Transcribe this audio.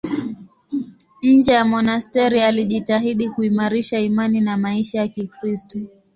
Nje ya monasteri alijitahidi kuimarisha imani na maisha ya Kikristo.